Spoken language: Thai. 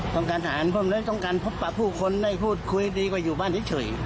ต้องการหาเงินเพิ่มแล้วต้องการพบปะผู้คนได้พูดคุยดีกว่าอยู่บ้านนิดสุด